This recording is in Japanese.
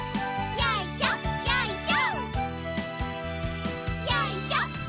よいしょよいしょ。